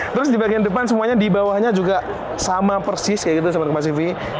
terus dibagian depan semuanya dibawahnya juga sama persis kayak gitu sahabat kompastv